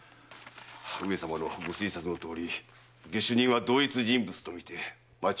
上様のご推察のとおり下手人は同一人物と見てよいでしょう。